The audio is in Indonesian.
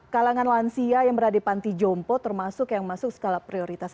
kalangan lansia yang berada di panti jompo termasuk yang masuk skala prioritas